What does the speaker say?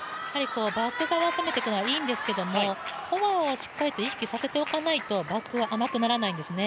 バック側、攻めていくのはいいんですけど、フォアをしっかり意識させておかないとバックは甘くならないんですね。